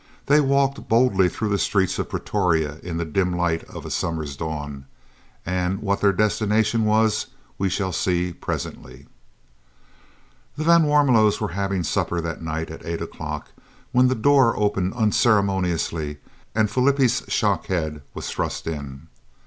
They walked boldly through the streets of Pretoria in the dim light of a summer's dawn, and what their destination was we shall see presently. The van Warmelos were having supper that night at 8 o'clock when the door opened unceremoniously and Flippie's shock head was thrust in.